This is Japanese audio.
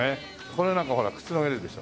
これなんかほらくつろげるでしょ。